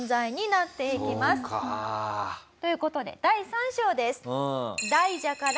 という事で第三章です。